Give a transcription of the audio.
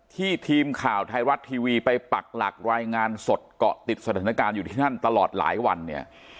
ทีมข่าวไทยรัฐทีวีไปปักหลักรายงานสดเกาะติดสถานการณ์อยู่ที่นั่นตลอดหลายวันเนี่ย